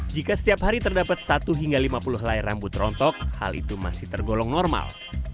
jika setiap hari terdapat satu hingga lima puluh helai rambut rontok hal itu masih tergolong normal